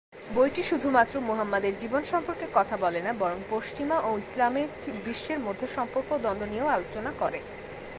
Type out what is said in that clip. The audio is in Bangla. বইটি শুধুমাত্র মুহাম্মাদের জীবন সম্পর্কে কথা বলে না বরং পশ্চিমা ও ইসলামিক বিশ্বের মধ্যে সম্পর্ক এবং দ্বন্দ্ব নিয়েও আলোচনা করে।